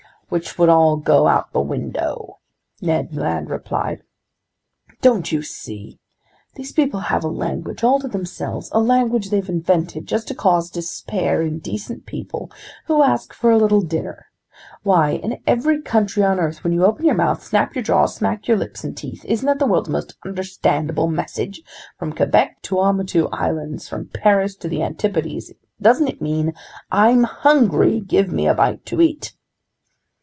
"Which would all go out the window!" Ned Land replied. "Don't you see, these people have a language all to themselves, a language they've invented just to cause despair in decent people who ask for a little dinner! Why, in every country on earth, when you open your mouth, snap your jaws, smack your lips and teeth, isn't that the world's most understandable message? From Quebec to the Tuamotu Islands, from Paris to the Antipodes, doesn't it mean: I'm hungry, give me a bite to eat!"